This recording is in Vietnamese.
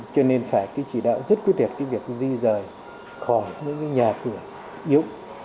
cho nên phải cái chỉ đạo rất quyết định cái việc di rời khỏi những cái nhà cửa yếu